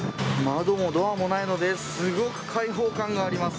窓もドアもないので、すごく開放感があります。